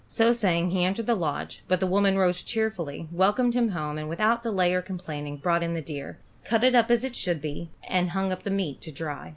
So saying he entered the lodge, but the woman rose cheerfully, welcomed him home, and without delay or complaining brought in the deer, cut it up as it should be, and hung up the meat to dry.